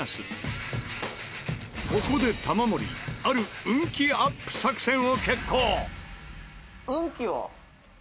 ここで玉森ある運気アップ作戦を決行！